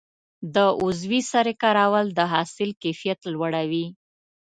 د عضوي سرې کارول د حاصل کیفیت لوړوي.